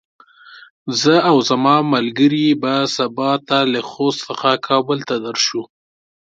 زه او زما ملګري به سبا ته له خوست څخه کابل ته درشو.